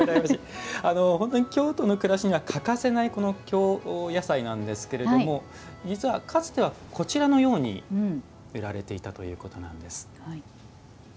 本当に京都の暮らしには欠かせない京野菜なんですが実は、かつてはこちらのように売られていたということなんです。